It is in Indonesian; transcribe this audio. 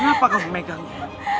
kenapa kamu memegangnya